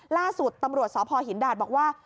ล่าสุดตำรวจสพหินดาดบอกว่า